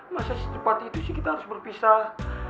masa secepat itu sih kita harus berpisah